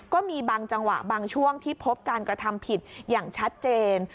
ก็มีบางจังหวะบางช่วงที่พบการกระทำผิดอย่างชัดเจน